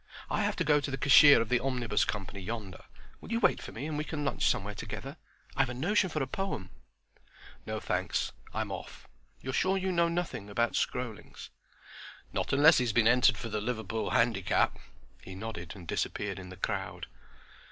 "I have to go to the cashier of the Omnibus Company yonder. Will you wait for me and we can lunch somewhere together? I've a notion for a poem." "No, thanks. I'm off. You're sure you know nothing about Skroelings?" "Not unless he's been entered for the Liverpool Handicap." He nodded and disappeared in the crowd.